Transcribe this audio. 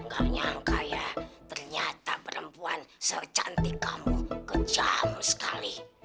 gak nyangka ya ternyata perempuan secantik kamu kejam sekali